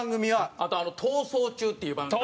あと『逃走中』っていう番組。